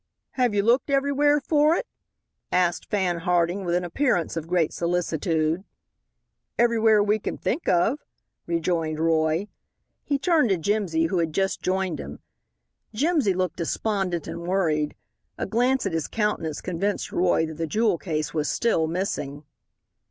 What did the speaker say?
"Have you looked everywhere for it?" asked Fan Harding, with an appearance of great solicitude. "Everywhere we can think of," rejoined Roy. He turned to Jimsy, who had just joined him. Jimsy looked despondent and worried. A glance at his countenance convinced Roy that the jewel case was still missing.